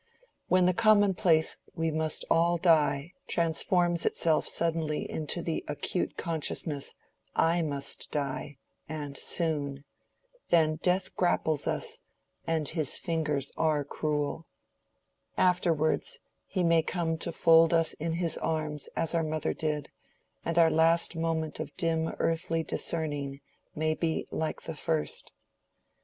When the commonplace "We must all die" transforms itself suddenly into the acute consciousness "I must die—and soon," then death grapples us, and his fingers are cruel; afterwards, he may come to fold us in his arms as our mother did, and our last moment of dim earthly discerning may be like the first.